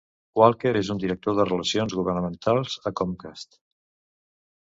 Walker és un director de relacions governamentals a Comcast.